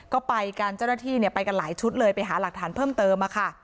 ก็ไปกันเจ้าหน้าที่ไปกันหลายชุดเลยไปหาหลักฐานเพิ่มเติมค่ะ